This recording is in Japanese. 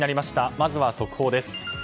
まずは速報です。